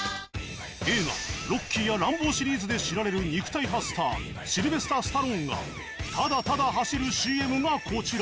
映画「ロッキー」や「ランボー」シリーズで知られる肉体派スターシルベスター・スタローンがただただ走るＣＭがこちら